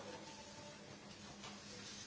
น้าสาวของน้าผู้ต้องหาเป็นยังไงไปดูนะครับ